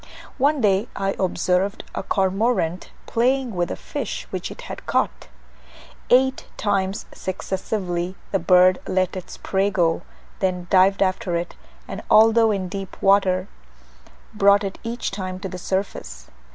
One day I observed a cormorant playing with a fish which it had caught. Eight times successively the bird let its prey go, then dived after it, and although in deep water, brought it each time to the surface.